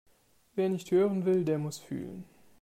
Wer nicht hören will, der muss fühlen.